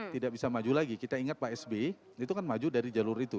tidak bisa maju lagi kita ingat pak sby itu kan maju dari jalur itu